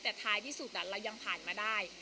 แต่ท้ายที่สุดเรายังผ่านมาได้